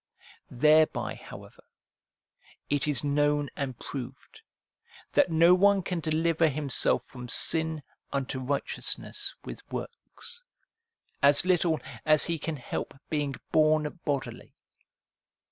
PROLOGUE TO ROMANS 341 Thereby, however, it is known and proved, that no one can deliver himself from sin unto righteousness with works, as little as he can help being born bodily.